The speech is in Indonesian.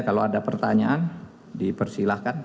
kalau ada pertanyaan dipersilahkan